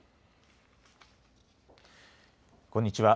こんにちは。